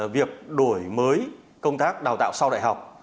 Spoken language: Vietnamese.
việc đổi mới công tác đào tạo sau đại học